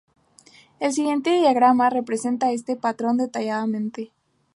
El siguiente diagrama representa este patrón detalladamente.